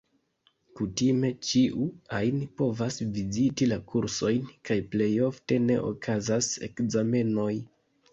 Kutime ĉiu ajn povas viziti la kursojn, kaj plejofte ne okazas ekzamenoj.